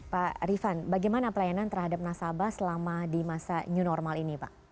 pak rifan bagaimana pelayanan terhadap nasabah selama di masa new normal ini pak